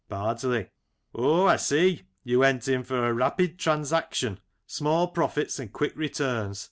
Bardsley: Oh, I see. You went in for a rapid tran saction, small profits and quick returns.